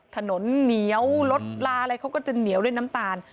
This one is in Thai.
ถนนเหนียวรถลาอะไรเขาก็จะเหนียวด้วยน้ำตาล